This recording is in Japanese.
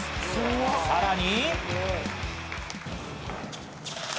さらに。